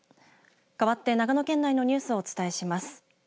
かわって、長野県内のニュースをお伝えします。